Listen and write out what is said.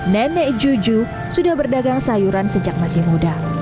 nenek juju sudah berdagang sayuran sejak masih muda